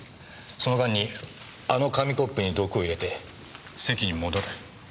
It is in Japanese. その間にあの紙コップに毒を入れて席に戻る。